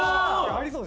ありそう！